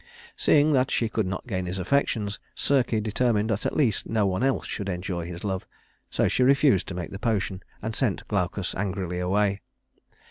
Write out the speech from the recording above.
Seeing that she could not gain his affections, Circe determined that at least no one else should enjoy his love; so she refused to make the potion, and sent Glaucus angrily away.